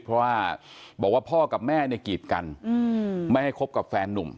เพราะว่าบอกว่าพ่อกับแม่เนี่ยกีดกันไม่ให้คบกับแฟนนุ่ม